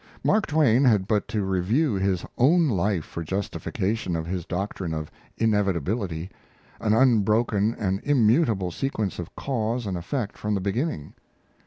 Mark Twain had but to review his own life for justification of his doctrine of inevitability an unbroken and immutable sequence of cause and effect from the beginning.